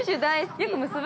◆よく結ぶ？